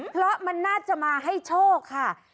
เพราะมันน่าจะมาให้โชคค่ะ